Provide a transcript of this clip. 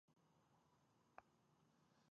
هلته فولاد د کار موضوع هم ګڼل کیږي.